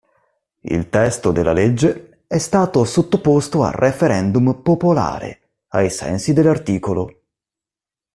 Il testo della legge è stato sottoposto a referendum popolare, ai sensi dell’art.